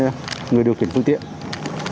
đối với người điều khiển phương tiện